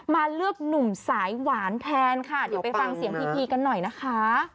มาเลือกหนุ่มสายหวานแทนค่ะเดี๋ยวไปฟังเสียงพีพีกันหน่อยนะคะ